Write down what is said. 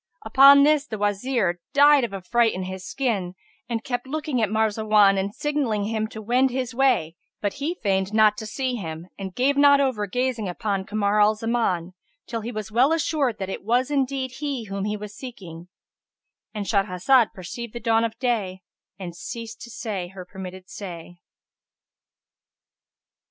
Upon this the Wazir, died of affright in his skin, and kept looking at Marzawan and signalling him to wend his way; but he feigned not to see him and gave not over gazing upon Kamar al Zaman, till he was well assured that it was indeed he whom he was seeking,—And Shahrazad perceived the dawn of day and ceased to say her permitted say.